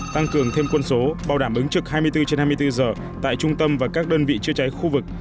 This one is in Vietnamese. tăng cường thêm quân số bảo đảm ứng trực hai mươi bốn trên hai mươi bốn giờ tại trung tâm và các đơn vị chữa cháy khu vực